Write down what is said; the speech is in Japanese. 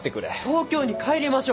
東京に帰りましょう！